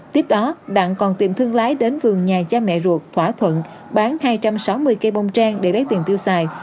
tiếp đó đạn còn tìm thương lái đến vườn nhà cha mẹ ruột thỏa thuận bán hai trăm sáu mươi cây bông trang để lấy tiền tiêu xài